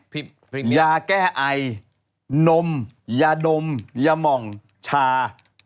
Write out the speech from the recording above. พริกเมียยาแก้ไอนมยาดมยาหม่องชา